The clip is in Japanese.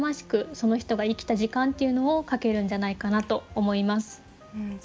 その人が生きた時間っていうのを描けるんじゃないかなと思います。